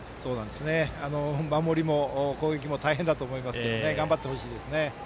守りも攻撃も大変だと思いますけど頑張ってほしいですね。